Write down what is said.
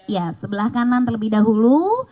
ya sebelah kanan terlebih dahulu